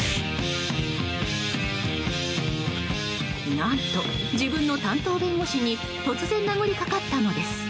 何と、自分の担当弁護士に突然殴りかかったのです。